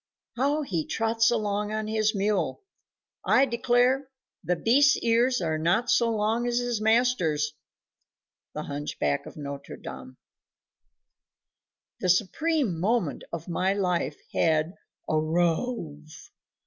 How he trots along on his mule! I declare the beast's ears are not so long as his master's. The Hunchback of Notre Dame. The supreme moment of my life had "arrove."